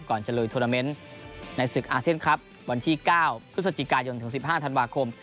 จะลุยโทรนาเมนต์ในศึกอาเซียนครับวันที่๙พฤศจิกายนถึง๑๕ธันวาคม